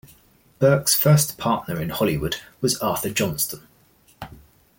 Burke's first partner in Hollywood was Arthur Johnston.